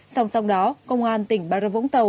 song song đó công an tỉnh bà rập vũng tàu